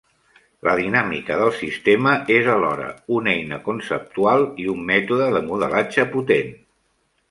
La dinàmica del sistema és alhora una eina conceptual i un mètode de modelatge potent.